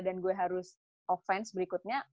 gue harus offense berikutnya